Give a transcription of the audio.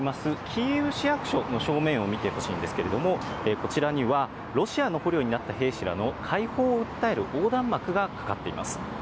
キーウ市役所の正面を見てほしいんですけれども、こちらには、ロシアの捕虜になった兵士らの解放を訴える横断幕がかかっています。